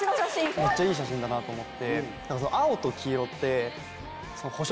めっちゃいい写真だなと思って。